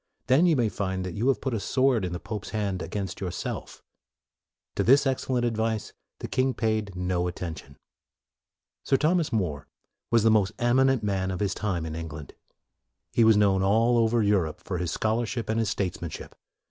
Then you may find that you have put a sword in the pope's hand against yourself." To 29 30 MORE this excellent advice the king paid no attention. Sir Thomas More was the most eminent man of his time in England. He was known all over Europe for his scholarship and his statesmanship.